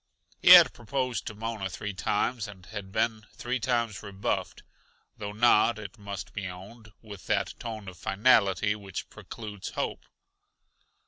He had proposed to Mona three times, and had been three times rebuffed though not, it must be owned, with that tone of finality which precludes hope.